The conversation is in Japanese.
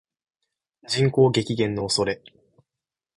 人口激減の恐れ